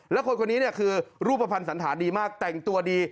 แล้วคนคนนี้เนี่ยคือรูปภัณฑ์สันธารดีมากแต่งตัวดี